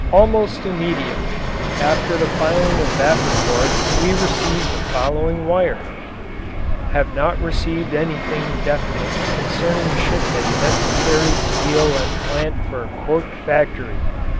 Almost immediately after the filing of that report we received the following wire: Have not received anything definite concerning shipment necessary steel and plant for Cork factory.